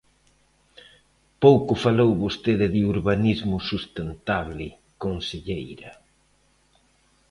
Pouco falou vostede de urbanismo sustentable, conselleira.